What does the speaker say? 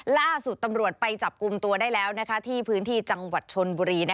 ล่าสุดตำรวจไปจับกลุ่มตัวได้แล้วที่พื้นที่จังหวัดชนบุรี